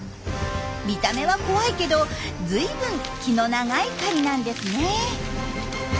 見た目は怖いけどずいぶん気の長い狩りなんですね。